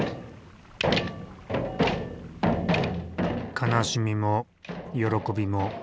悲しみも喜びも。